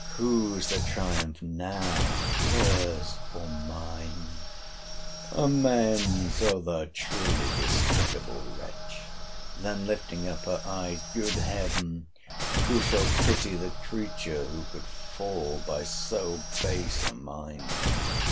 whose the triumph now! HER'S, or MINE? Amends! O thou truly despicable wretch! Then lifting up her eyes—Good Heaven! who shall pity the creature who could fall by so base a mind!